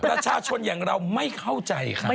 ประชาชนอย่างเราไม่เข้าใจครับ